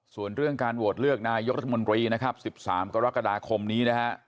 ส่วนเรื่องการโหวตเลือกนายกรัฐมนตรีนะครับ๑๓กรกฎาคมนี้นะฮะ